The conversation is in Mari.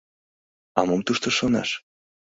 А мом тушто шонаш?